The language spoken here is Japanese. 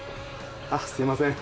あっすいません。